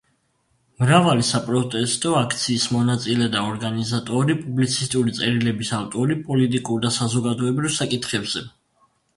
მრავალი საპროტესტო აქციის მონაწილე და ორგანიზატორი, პუბლიცისტური წერილების ავტორი პოლიტიკურ და საზოგადოებრივ საკითხებზე.